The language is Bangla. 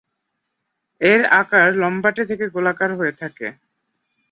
এর আকার লম্বাটে থেকে গোলাকার হয়ে থাকে।